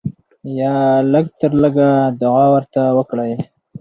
یا لږ تر لږه دعا ورته وکړئ.